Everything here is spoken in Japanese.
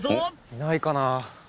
いないかなあ。